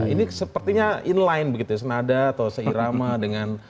ini sepertinya inline begitu ya senada atau seirama dengan